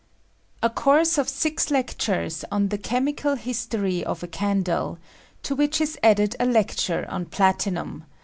COURSE OF SIX LECTURES ON THB CHEMICAL HISTORY OF A CAIDLE : TO WmOH IS ADDED A LECTUEE ON PLATINUM.